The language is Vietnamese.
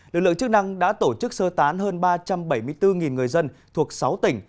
lực lượng chức năng đã tổ chức sơ tán hơn ba trăm bảy mươi bốn người dân thuộc sáu tỉnh